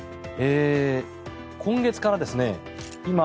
今月から今。